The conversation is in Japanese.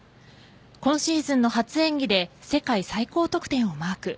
今シーズンの初演技で世界最高得点をマーク。